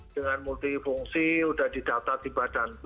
dengan multifungsi sudah didata di badan